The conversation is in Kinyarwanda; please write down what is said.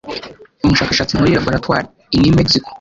umushakashatsi muri laboratoire i New Mexico